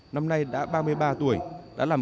năm nay đã ba mươi ba tuổi đã làm